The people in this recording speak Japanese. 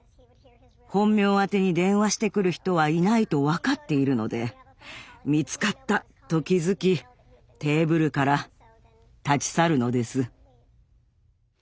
本名宛てに電話してくる人はいないと分かっているので見つかったと気付きテーブルから立ち去るのです。